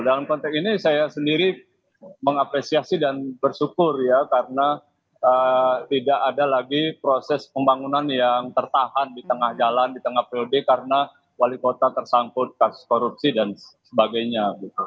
dalam konteks ini saya sendiri mengapresiasi dan bersyukur ya karena tidak ada lagi proses pembangunan yang tertahan di tengah jalan di tengah periode karena wali kota tersangkut kasus korupsi dan sebagainya